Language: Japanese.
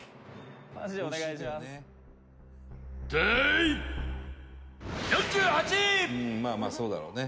伊達：まあまあ、そうだろうね。